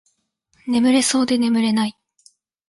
眠れそうで眠れない